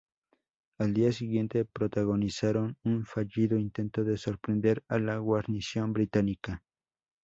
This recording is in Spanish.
Al día siguiente protagonizaron un fallido intento de sorprender a la guarnición británica.